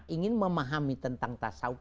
ingin memahami tentang tasawuf